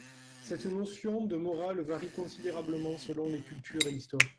Cette notion de morale varie considérablement selon les cultures et l'Histoire.